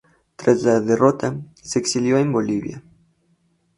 Tras la derrota, se exilió en Bolivia.